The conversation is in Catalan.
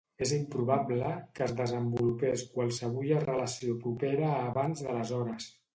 És improbable que es desenvolupés qualsevulla relació propera abans d'aleshores.